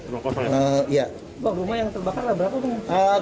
rumah yang terbakar lah berapa